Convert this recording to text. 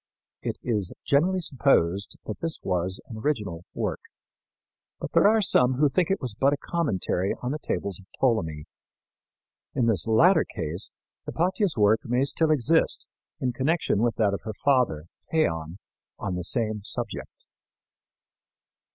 It is generally supposed that this was an original work; but there are some who think it was but a commentary on the tables of Ptolemy. In this latter case Hypatia's work may still exist in connection with that of her father, Theon, on the same subject.